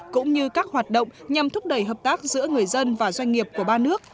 cũng như các hoạt động nhằm thúc đẩy hợp tác giữa người dân và doanh nghiệp của ba nước